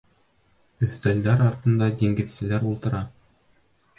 Өҫтәлдәр артында диңгеҙселәр ултыра.